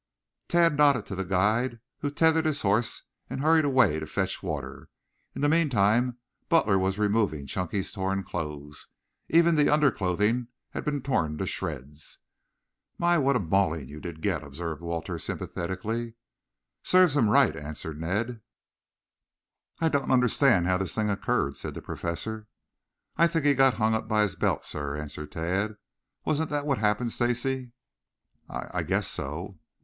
Tad nodded to the guide, who tethered his horse and hurried away to fetch water. In the meantime Butler was removing Chunky's torn clothes. Even the underclothing had been torn to shreds. "My, what a mauling you did get," observed Walter sympathetically. "Serves him right," answered Ned. "I don't understand how this thing occurred," said the Professor. "I think he got hung up by his belt, sir," answered Tad. "Wasn't that what happened, Stacy?" "I I guess so."